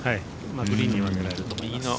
グリーンは狙えると思います。